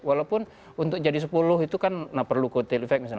walaupun untuk jadi sepuluh itu kan nah perlu co tail effect misalnya